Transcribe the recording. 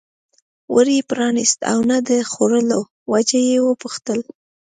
ور یې پرانست او د نه خوړلو وجه یې وپوښتل.